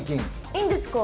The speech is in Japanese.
いいんですか？